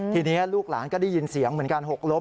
ทีนี้ลูกหลานก็ได้ยินเสียงเหมือนกันหกล้ม